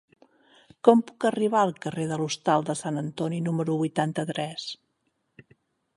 Com puc arribar al carrer de l'Hostal de Sant Antoni número vuitanta-tres?